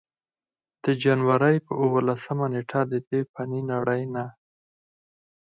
د جنورۍ پۀ اولسمه نېټه ددې فانې نړۍ نه